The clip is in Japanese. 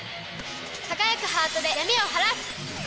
輝くハートで闇を晴らす！